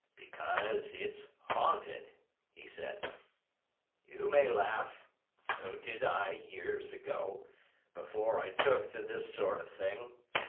"Because it's haunted," he said. "You may laugh—so did I years ago, afore I took to this sort of thing.